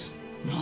何？